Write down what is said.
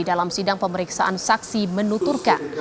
dalam sidang pemeriksaan saksi menuturkan